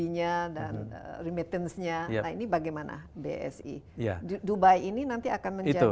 dubai ini nanti akan menjadi seperti itu